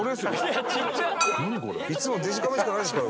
いつもデジカメしかないんですから。